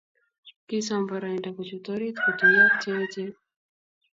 Kisom boroindo kochut orit kotuiyo ak cheechen